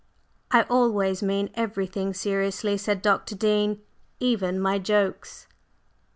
"I always mean everything seriously," said Dr. Dean, "even my jokes."